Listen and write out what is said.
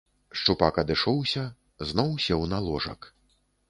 Шчупак адышоўся, зноў сеў на ложак.